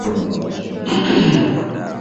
miaka ya elfumoja miatisa ishirini na tano